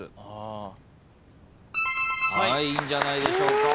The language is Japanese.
いいんじゃないでしょうか。